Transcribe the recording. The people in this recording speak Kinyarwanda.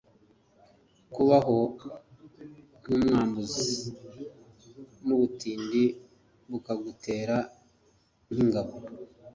kubaho nk’umwambuzi n’ubutindi bukagutera nk’ingabo